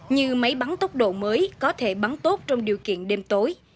như máy bắn tốc độ mới có thể bắn tốt trong điều kiện đêm tối